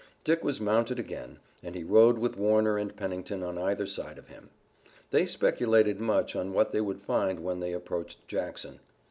Dick was mounted again, and he rode with Warner and Pennington on either side of him. They speculated much on what they would find when they approached Jackson.